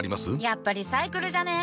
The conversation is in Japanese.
やっぱリサイクルじゃね？